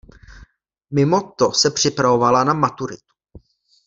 Mimo to se připravovala na maturitu.